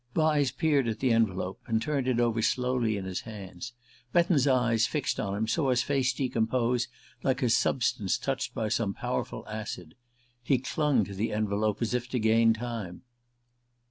Vyse peered at the envelope, and turned it over slowly in his hands. Betton's eyes, fixed on him, saw his face decompose like a substance touched by some powerful acid. He clung to the envelope as if to gain time.